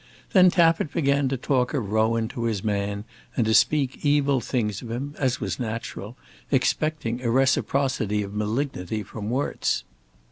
Then Tappitt began to talk of Rowan to his man, and to speak evil things of him, as was natural, expecting a reciprocity of malignity from Worts.